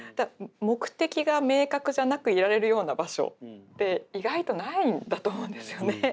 目的が明確じゃなくいられるような場所って意外とないんだと思うんですよね。